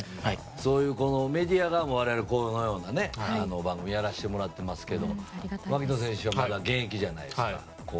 そういうメディアで我々このような番組やらせてもらってますけど槙野さんはまだ現役じゃないですか。